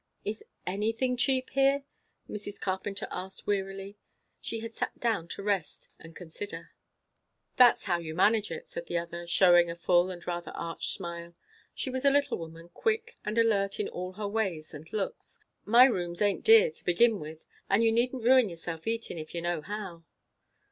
"Is anything cheap here?" Mrs. Carpenter asked wearily. She had sat down to rest and consider. "That's how you manage it," said the other, shewing a full and rather arch smile. She was a little woman, quick and alert in all her ways and looks. "My rooms aint dear, to begin with; and you needn't ruin yourself eating; if you know how."